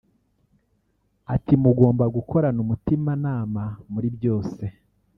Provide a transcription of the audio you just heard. Ati" Mugomba gukorana Umutima Nama muri byose